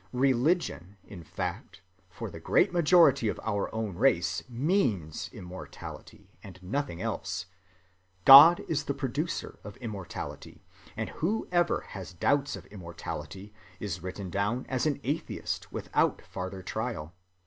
Religion, in fact, for the great majority of our own race means immortality, and nothing else. God is the producer of immortality; and whoever has doubts of immortality is written down as an atheist without farther trial.